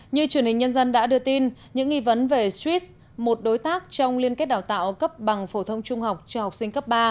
như truyền hình nhân dân đã đưa tin những nghi vấn về streas một đối tác trong liên kết đào tạo cấp bằng phổ thông trung học cho học sinh cấp ba